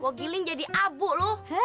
gue giling jadi abu loh